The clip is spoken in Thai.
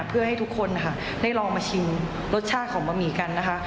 เพื่อให้ทุกคนนะคะได้ลองมาชิมรสชาติของบะหมี่กันนะคะ